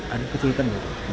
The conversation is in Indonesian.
ada kesulitan nggak